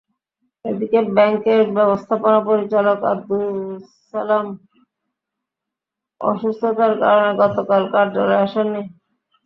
এদিকে ব্যাংকের ব্যবস্থাপনা পরিচালক আবদুস সালাম অসুস্থতার কারণে গতকাল কার্যালয়ে আসেননি।